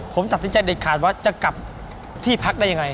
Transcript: ผมตัดสินใจเด็ดขาดว่าจะกลับที่พักได้ยังไง